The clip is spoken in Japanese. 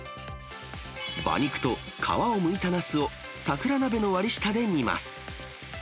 馬肉と皮をむいたなすを桜なべの割り下で煮ます。